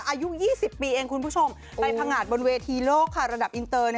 อายุ๒๐ปีเองคุณผู้ชมไปพังงาดบนเวทีโลกค่ะระดับอินเตอร์